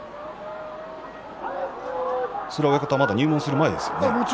それは、まだ入門する前ですね。